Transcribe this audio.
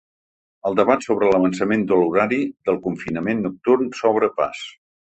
El debat sobre l’avançament de l’horari del confinament nocturn s’obre pas.